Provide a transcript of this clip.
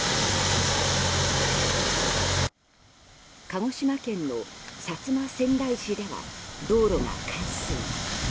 鹿児島県の薩摩川内市では道路が冠水。